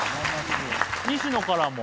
西野からも。